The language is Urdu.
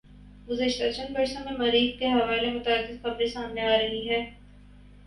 گزشتہ چند بر سوں میں مریخ کے حوالے متعدد خبریں سامنے آرہی ہیں